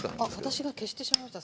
私が消してしまいました。